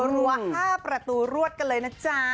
รัว๕ประตูรวดกันเลยนะจ๊ะ